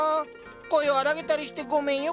声を荒げたりしてごめんよ